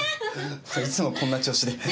そういつもこんな調子で。